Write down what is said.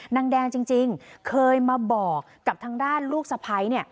นางแดงจริงเคยมาบอกกับทางด้านลูกสะพ้าย